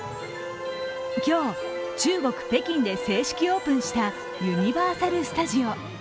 今日、中国・北京で正式オープンしたユニバーサル・スタジオ。